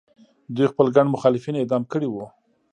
دوی خپل ګڼ مخالفین اعدام کړي وو.